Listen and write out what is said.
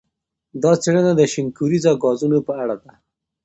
دا څېړنه د شین کوریزه ګازونو په اړه ده.